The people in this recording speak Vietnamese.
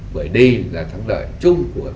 bởi đây là thắng đợi chung của